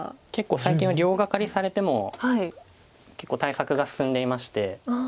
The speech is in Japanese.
最近は両ガカリされても結構対策が進んでいまして。